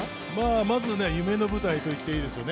まず夢の舞台といっていいでしょうね。